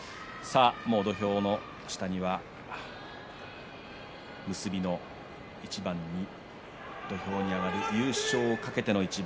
土俵下には、もう結びの一番に土俵に上がる優勝を懸けての一番。